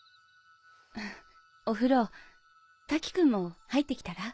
お風呂瀧くんも入って来たら？